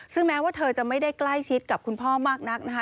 ซึ่งแม้ว่าเธอจะไม่ได้ใกล้ชิดกับคุณพ่อมากนักนะคะ